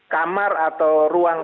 kamar atau ruang